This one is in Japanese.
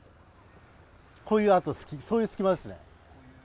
こういう、あとそういう隙間ですね。